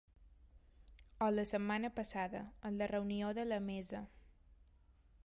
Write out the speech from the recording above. O la setmana passada, en la reunió de la mesa.